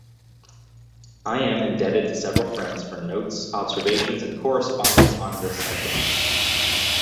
I am indebted to several friends for notes, observations, and correspondence on this subject.